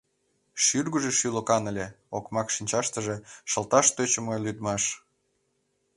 Шӱргыжӧ шӱлыкан ыле, окмак шинчаштыже — шылташ тӧчымӧ лӱдмаш.